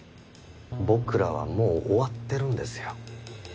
僕らはもう終わってるんですよ。